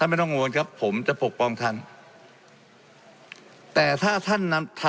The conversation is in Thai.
และมีผลกระทบไปทุกสาขาอาชีพชาติ